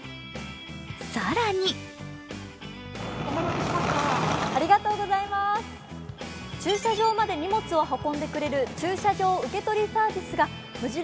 更に駐車場まで荷物を運んでくれる駐車場受け取りサービスが無印